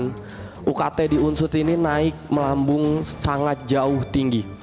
kita rasakan ukt di unsur ini naik melambung sangat jauh tinggi